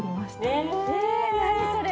え何それ？